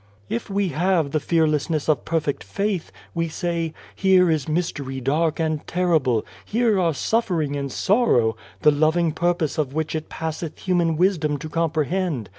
" If we have the fearlessness of perfect faith, we say :' Here is mystery dark and terrible ! here are suffering and sorrow, the loving pur pose of which it passeth human wisdom to comprehend.